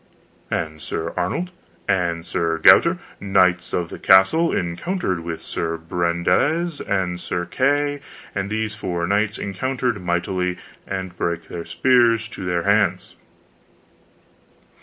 And Sir Arnold, and Sir Gauter, knights of the castle, encountered with Sir Brandiles and Sir Kay, and these four knights encountered mightily, and brake their spears to their hands.